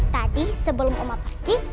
tadi sebelum oma pergi